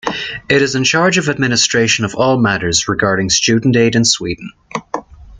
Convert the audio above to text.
It is in charge of administration of all matters regarding student aid in Sweden.